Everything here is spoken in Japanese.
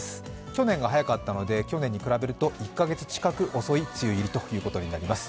去年が早かったので、去年に比べると１カ月近く遅い梅雨入りということになります。